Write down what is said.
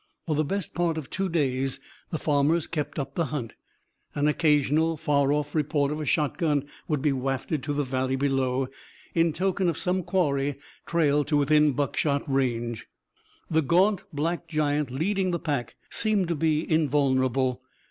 For the best part of two days the farmers kept up the hunt. An occasional far off report of a shotgun would be wafted to the Valley below, in token of some quarry trailed to within buckshot range. The gaunt black giant leading the pack seemed to be invulnerable.